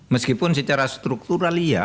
meskipun secara struktural iya